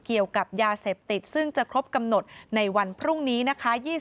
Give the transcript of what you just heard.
เกี่ยวกับยาเสพติดซึ่งจะครบกำหนดในวันพรุ่งนี้นะคะ